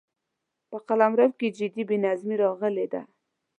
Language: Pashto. په قلمرو کې جدي بې نظمي راغلې ده.